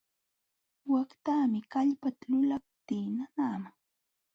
Waqtaami kallpata lulaptii nanaman.